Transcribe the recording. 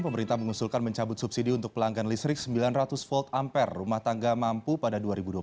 pemerintah mengusulkan mencabut subsidi untuk pelanggan listrik sembilan ratus volt ampere rumah tangga mampu pada dua ribu dua puluh